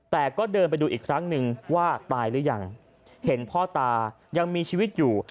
แต่ก็เดินไปดูอีกครั้งหนึ่งว่าตายหรือยังเห็นพ่อตายังมีชีวิตอยู่